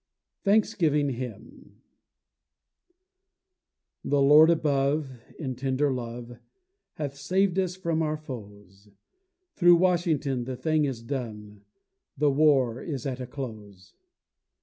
THANKSGIVING HYMN The Lord above, in tender love, Hath sav'd us from our foes; Through Washington the thing is done, The war is at a close.